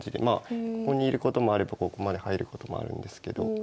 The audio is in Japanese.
ここにいることもあればここまで入ることもあるんですけど。